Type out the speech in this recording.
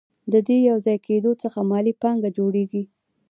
د دې یوځای کېدو څخه مالي پانګه جوړېږي